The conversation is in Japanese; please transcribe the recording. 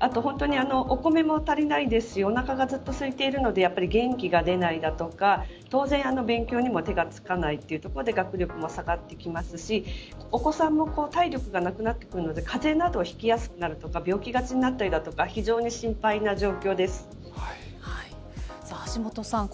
あと、本当にお米も足りないですしおなかがずっとすいているので元気が出ないとか当然、勉強も手がつかないということで学力も下がってきますしお子さんも体力がなくなってくるので風邪などひきやすくなったり病気がちになってくるとか橋下さん